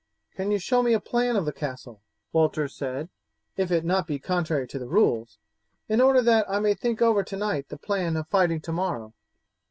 "Can you show me a plan of the castle," Walter said, "if it be not contrary to the rules, in order that I may think over tonight the plan of fighting tomorrow?"